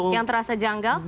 yang terasa janggal